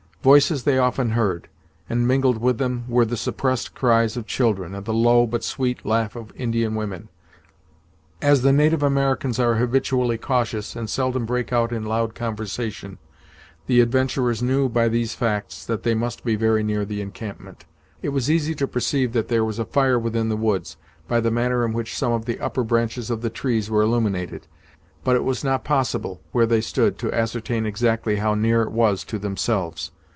Voices they often heard, and mingled with them were the suppressed cries of children, and the low but sweet laugh of Indian women. As the native Americans are habitually cautious, and seldom break out in loud conversation, the adventurers knew by these facts that they must be very near the encampment. It was easy to perceive that there was a fire within the woods, by the manner in which some of the upper branches of the trees were illuminated, but it was not possible, where they stood, to ascertain exactly how near it was to themselves.